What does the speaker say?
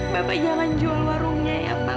bapak jangan jual warungnya ya pak